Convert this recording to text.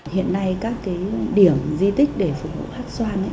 hiện nay các điểm di tích để phục vụ hát xoan